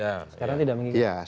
sekarang tidak mengikat